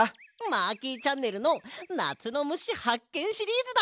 マーキーチャンネルの「なつのむしはっけんシリーズ」だ！